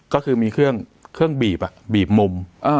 ก็คือมีเครื่องบีบบีบมุม